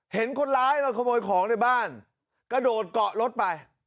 เห็นคนร้ายมาขโมยของในบ้านกระโดดเกาะรถไป